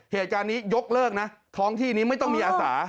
เหตุการณ์นี้ยกเลิกนะท้องที่นี้ไม่ต้องมีอาสา